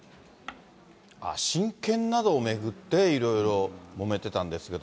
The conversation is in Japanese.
親権などを巡って、いろいろもめてたんですけど。